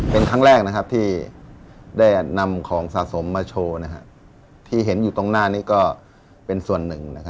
เป็นครั้งแรกที่ได้นำของสะสมมาโชว์ที่เห็นอยู่ตรงหน้านี้ก็เป็นส่วนหนึ่ง